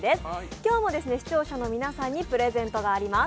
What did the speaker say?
今日も視聴者の皆さんにプレゼントがあります。